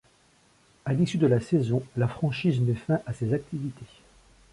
À l'issue de la saison, la franchise met fin à ses activités.